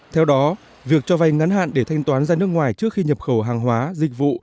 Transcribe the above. theo đó việc cho vay ngắn hạn để thanh toán ra nước ngoài trước khi nhập khẩu hàng hóa dịch vụ